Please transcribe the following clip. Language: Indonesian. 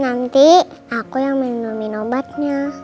nanti aku yang minum obatnya